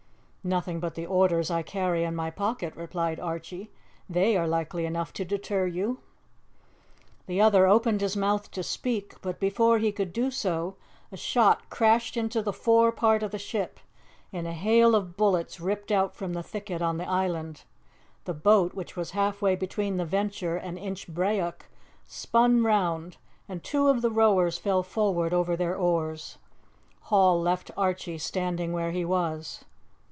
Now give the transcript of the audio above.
"Nothing but the orders I carry in my pocket," replied Archie. "They are likely enough to deter you." The other opened his mouth to speak, but before he could do so a shot crashed into the fore part of the ship, and a hail of bullets ripped out from the thicket on the island; the boat, which was half way between the Venture and Inchbrayock, spun round, and two of the rowers fell forward over their oars. Hall left Archie standing where he was.